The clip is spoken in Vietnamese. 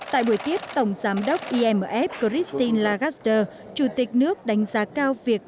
tại buổi tiết tổng giám đốc imf christine lagaster chủ tịch nước đánh giá cao việc